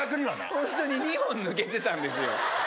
ホントに２本抜けてたんですよ